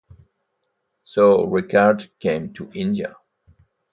So Ricard came to India.